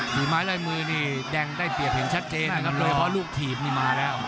สี่ไม้ล่ายมือนี่แดงได้เปียบเห็นชัดเจนด้วยต้วยเพราะลูกถีบนี่มาแล้ว